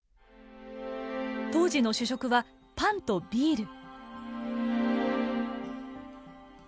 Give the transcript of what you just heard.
当時の主食はパンとビール。